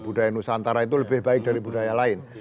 budaya nusantara itu lebih baik dari budaya lain